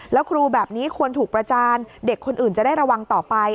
แล้วครูแบบนี้ควรถูกประจานเด็กคนอื่นจะได้ระวังต่อไป